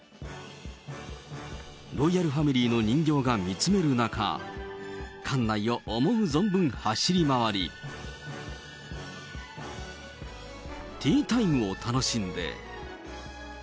ロイヤルファミリーの人形が見つめる中、館内を思う存分、走り回り、ティータイムを楽しんで。